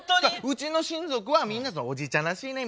うちの親族はみんな「おじいちゃんらしいね」